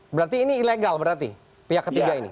berarti ini ilegal berarti pihak ketiga ini